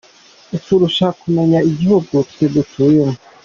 Uturusha kumenya igihugu twe dutuyemo ?